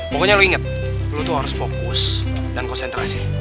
pokoknya lo inget lu tuh harus fokus dan konsentrasi